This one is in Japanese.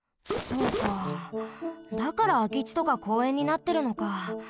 そうかだからあきちとかこうえんになってるのか。